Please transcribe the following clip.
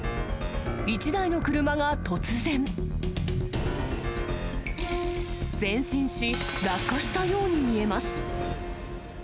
一台の車が突然、前進し、落下したように見えます。